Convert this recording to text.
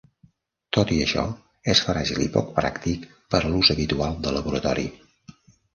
Tot i això, és fràgil i poc pràctic per a l'ús habitual de laboratori.